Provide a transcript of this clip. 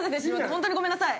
本当にごめんなさい。